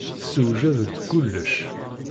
Tessewjed-d kullec.